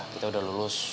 kita udah lulus